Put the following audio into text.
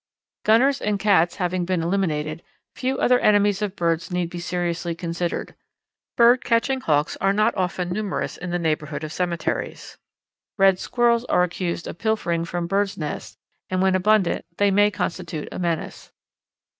Gunners and cats having been eliminated, few other enemies of birds need be seriously considered. Bird catching Hawks are not often numerous in the neighbourhood of cemeteries. Red squirrels are accused of pilfering from birds' nests, and when abundant they may constitute a menace.